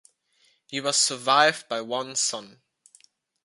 He was survived by one son.